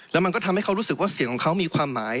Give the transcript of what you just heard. แล้วมันก็ทำให้เขารู้สึกว่าเสียงของเขามีความหมาย